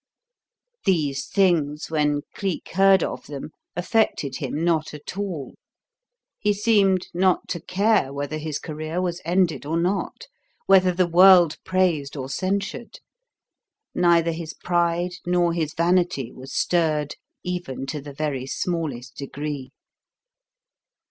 These things, when Cleek heard of them, affected him not at all. He seemed not to care whether his career was ended or not, whether the world praised or censured. Neither his pride nor his vanity was stirred even to the very smallest degree.